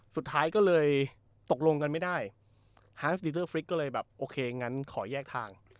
สุดท้ายก็เลยตกลงกันไม่ได้ก็เลยแบบโอเคงั้นขอแยกทาง